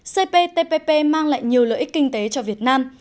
cptpp mang lại nhiều lợi ích kinh tế cho việt nam